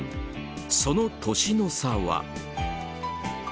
その年の差は。